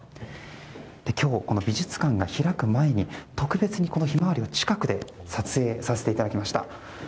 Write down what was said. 今日、この美術館が開く前に特別に「ひまわり」を近くで撮影させていただきました。